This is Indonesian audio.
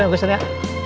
bawa pesan ya